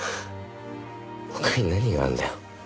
他に何があるんだよ？